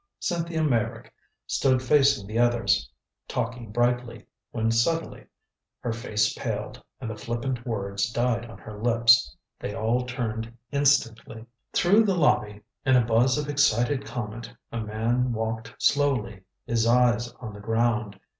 Cynthia Meyrick stood facing the others, talking brightly, when suddenly her face paled and the flippant words died on her lips. They all turned instantly. Through the lobby, in a buzz of excited comment, a man walked slowly, his eyes on the ground.